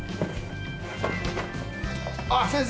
ああ先生。